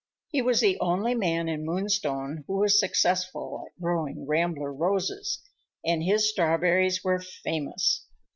He was the only man in Moonstone who was successful at growing rambler roses, and his strawberries were famous.